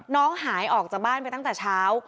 น้องหายออกจากบ้านไปตั้งแต่เช้า